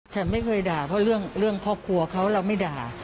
ฉันไม่เคยด่าเพราะเรื่องครอบครัวเขาเราไม่ด่า